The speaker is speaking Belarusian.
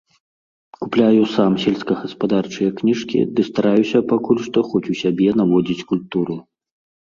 Купляю сам сельскагаспадарчыя кніжкі ды стараюся пакуль што хоць у сябе наводзіць культуру.